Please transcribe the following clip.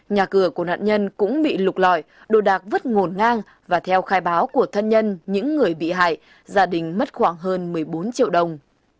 nhà cửa của nạn nhân cũng bị lục lọi đồ đạc vứt ngổn ngang và theo khai báo của thân nhân những người bị hại gia đình mất khoảng hơn một mươi bốn triệu đồng